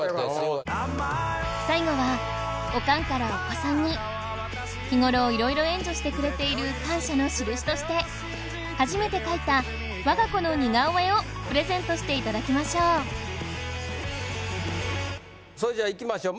最後はオカンからお子さんに日頃色々援助してくれている感謝の印として初めて描いたわが子の似顔絵をプレゼントしていただきましょうそれじゃあいきましょう。